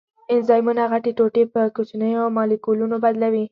انزایمونه غټې ټوټې په کوچنیو مالیکولونو بدلوي.